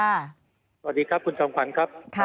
สวัสดีครับคุณสำคัญครับ